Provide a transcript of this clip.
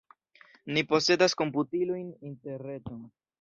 Ni posedas komputilojn, interreton.